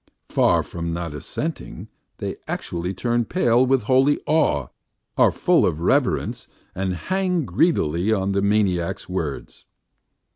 Far from not assenting, they actually turn pale with holy awe, are full of reverence and hang greedily on the maniac's words.